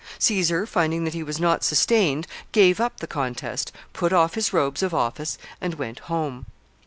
Caesar, finding that he was not sustained, gave up the contest, put off his robes of office, and went home.